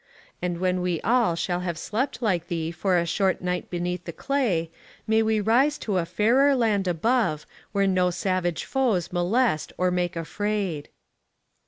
And when we all shall have slept like thee for a short night beneath the clay, may we rise to a fairer land above, where no savage foes molest or make afraid